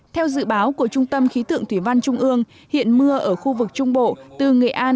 theo dự báo của trung tâm khí tượng thủy văn trung ương hiện mưa ở khu vực trung bộ từ nghệ an